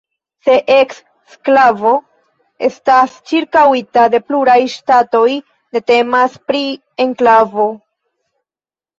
Se eksklavo estas ĉirkaŭita de pluraj ŝtatoj, ne temas pri enklavo.